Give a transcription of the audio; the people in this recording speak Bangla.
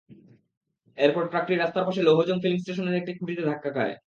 এরপর ট্রাকটি রাস্তার পাশের লৌহজং ফিলিং স্টেশনের একটি খুঁটিতে ধাক্কা খায়।